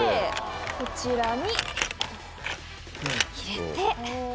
こちらに入れて。